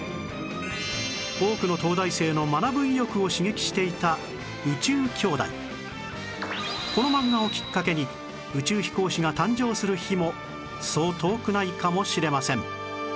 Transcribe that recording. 多くの東大生のこの漫画をきっかけに宇宙飛行士が誕生する日もそう遠くないかもしれません